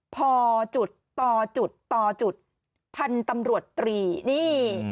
พตตพตพตนี่